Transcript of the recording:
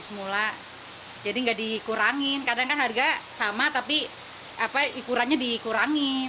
semula jadi enggak dikurangin kadangkan harga sama tapi apa ikurannya dikurangin